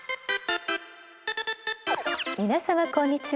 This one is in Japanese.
皆様こんにちは。